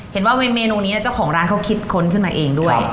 เห็นว่าเมนูนี้เจ้าของร้านเขาคิดค้นขึ้นมาเองด้วย